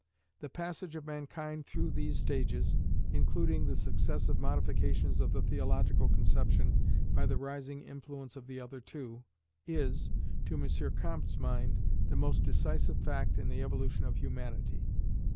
The passage of mankind through these stages, including the successive modifications of the theological conception by the rising influence of the other two, is, to M. Comte's mind, the most decisive fact in the evolution of humanity.